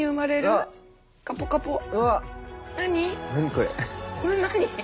これ何？